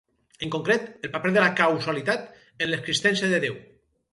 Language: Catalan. En concret, el paper de la causalitat en l’existència de Déu.